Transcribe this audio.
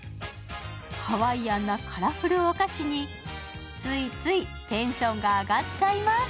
ハワイアンなカラフルお菓子についついテンションが上がっちゃいます。